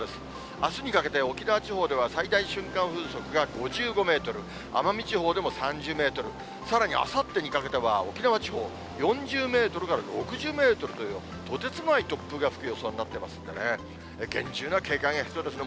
あすにかけて沖縄地方では最大瞬間風速が５５メートル、奄美地方でも３０メートル、さらにあさってにかけては、沖縄地方、４０メートルから６０メートルという、とてつもない突風が吹く予想になってますんでね、厳重な警戒が必要ですね。